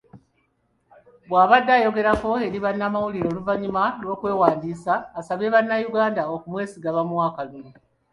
Bw'abadde ayogerako eri bannamawulire oluvannyuma lw'okwewandiisa, asabye bannayuganda okumwesiga bamuwe akalulu.